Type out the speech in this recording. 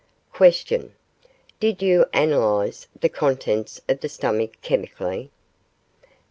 Q. Did you analyse the contents of the stomach chemically?